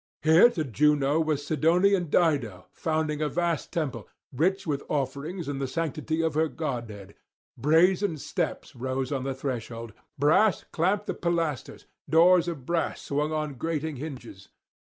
Here to Juno was Sidonian Dido founding a vast temple, rich with offerings and the sanctity of her godhead: brazen steps rose on the threshold, brass clamped the pilasters, doors of brass swung on grating hinges.